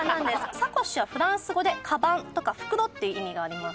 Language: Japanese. サコッシュはフランス語で「カバン」とか「袋」っていう意味があります。